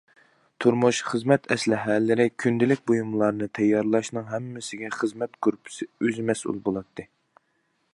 تۇرمۇش، خىزمەت ئەسلىھەلىرى، كۈندىلىك بۇيۇملارنى تەييارلاشنىڭ ھەممىسىگە خىزمەت گۇرۇپپىسى ئۆزى مەسئۇل بولاتتى.